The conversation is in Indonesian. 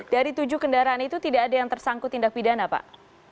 dari tujuh kendaraan itu tidak ada yang tersangkut tindak pidana pak